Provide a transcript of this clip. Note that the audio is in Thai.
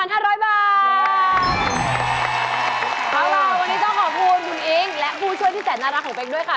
และผู้ช่วยที่แสดงนารักของเบงด้วยค่ะ